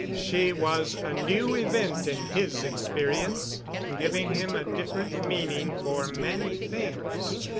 She was a new event in his experience, giving him a different meaning for many things.